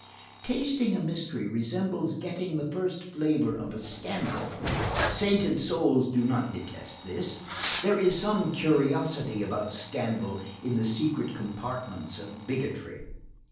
Tasting a mystery resembles getting the first flavor of a scandal; sainted souls do not detest this. There is some curiosity about scandal in the secret compartments of bigotry.